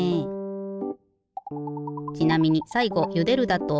ちなみにさいごゆでるだと。